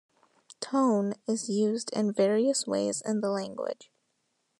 Tone is used in various ways in the language.